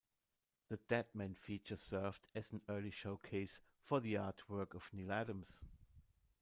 The "Deadman" feature served as an early showcase for the artwork of Neal Adams.